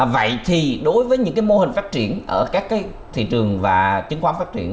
vậy thì đối với những mô hình phát triển ở các thị trường và chứng khoán phát triển